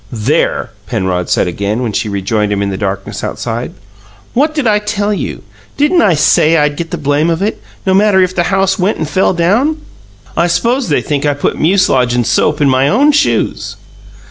"There!" Penrod said again, when she rejoined him in the darkness outside. "What did I tell you? Didn't I say I'd get the blame of it, no matter if the house went and fell down? I s'pose they think I put mucilage and soap in my own shoes."